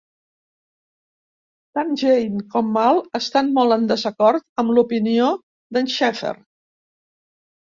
Tant Jayne com Mal estan molt en desacord amb l'opinió de Shepherd.